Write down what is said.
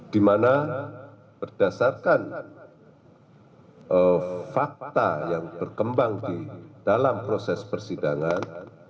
dimana berdasarkan fakta yang berkembang di dalam proses persidangan